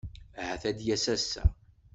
Ahat ad d-yas ass-a.